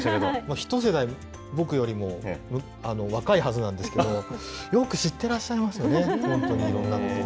１世代、僕よりも若いはずなんですけど、よく知ってらっしゃいますよね、本当に、いろんなことを。